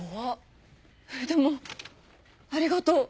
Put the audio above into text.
でもありがとう。